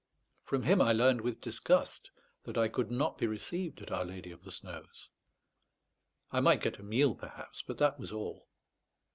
From him I learned with disgust that I could not be received at Our Lady of the Snows; I might get a meal, perhaps, but that was all.